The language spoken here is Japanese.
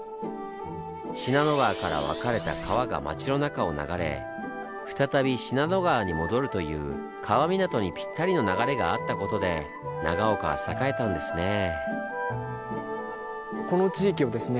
信濃川から分かれた川が町の中を流れ再び信濃川に戻るという川港にぴったりの流れがあったことで長岡は栄えたんですねぇ。